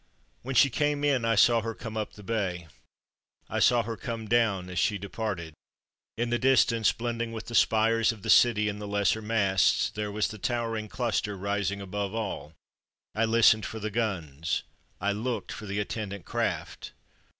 When she came in I saw her come up the bay. I saw her come down as she departed. In the distance, blending with the spires of the city and the lesser masts, there was the towering cluster rising above all. I listened for the guns. I looked for the attendant craft.